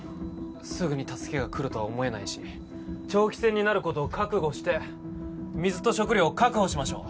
すぐに助けが来るとは思えないし長期戦になることを覚悟して水と食料を確保しましょう